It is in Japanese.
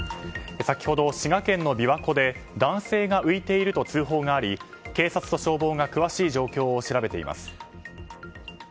先ほど滋賀県の琵琶湖で男性が浮いていると通報があり、警察と消防が詳しい状況を調べています。